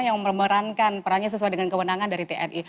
yang memerankan perannya sesuai dengan kewenangan dari tni